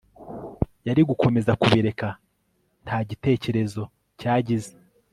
yari gukomeza kubireka nta gitekerezo cyagize